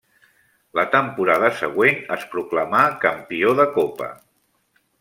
La temporada següent es proclamà campió de copa.